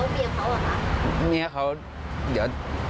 แล้วเมียเขาอะพ่อ